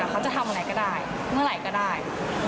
เขาจะทำอะไรก็ได้เมื่อไหร่ก็ได้